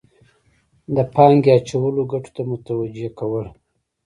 د پانګې اچولو ګټو ته متوجه کول.